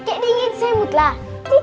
kayak dingin semut lah